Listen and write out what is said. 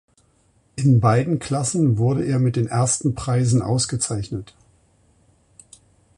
In beiden Klassen wurde er mit den ersten Preisen ausgezeichnet.